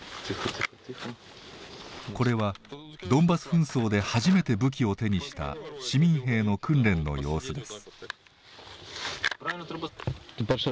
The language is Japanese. これはドンバス紛争で初めて武器を手にした市民兵の訓練の様子です。